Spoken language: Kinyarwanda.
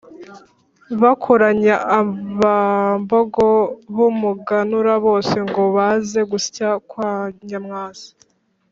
bakoranya abambogo b’umuganura bose ngo baze gusya kwa nyamwasa